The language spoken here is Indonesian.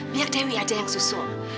biar dewi aja yang susul